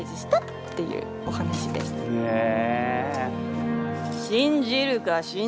へえ。